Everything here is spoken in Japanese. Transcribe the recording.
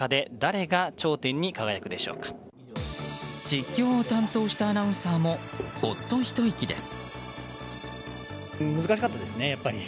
実況を担当したアナウンサーもほっとひと息です。